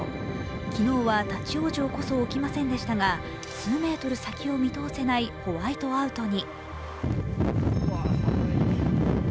昨日は立往生こそ起きませんでしたが、数メートル先を見通せないホワイトアウトに。